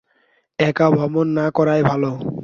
একা ভ্রমণ না করাই ভালো।